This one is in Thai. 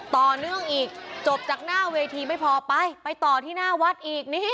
ต่อเนื่องอีกจบจากหน้าเวทีไม่พอไปไปต่อที่หน้าวัดอีกนี่